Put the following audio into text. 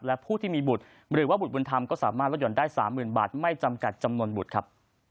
และผู้ที่มีบุตรหรือว่าบุตรบุญธรรมก็สามารถลดหย่อนได้๓๐๐๐บาทไม่จำกัดจำนวนบุตรครับ